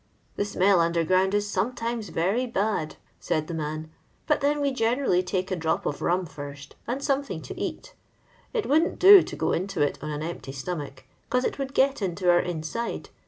'* The smell underground is some times very bad," said the man, " but then we generally take a drop of rum first, and something to eat. It wouldn't do to go into it on an empty stomach, 'cause it would get into our inside.